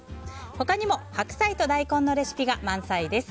他にも白菜と大根のレシピが満載です。